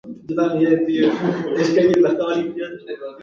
Tota aquella decisió política que sigui bona pel país, ho serà també pels presos.